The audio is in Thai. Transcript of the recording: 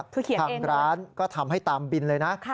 ผู้เขียนเองเหรอครับทางร้านก็ทำให้ตามบินเลยนะ